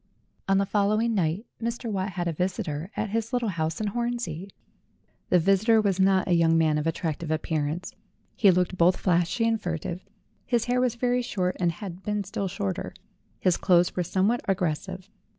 On the following night, Mr. Watt had a visitor at his little house in Hornsey. The visitor was not a young man of attractive appearance. He looked both flashy and furtive; his hair was very short and had been still shorter; his clothes were somewhat aggres sive.